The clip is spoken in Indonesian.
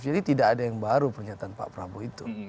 jadi tidak ada yang baru pernyataan pak prabowo itu